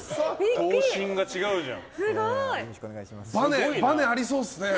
頭身が違うじゃん。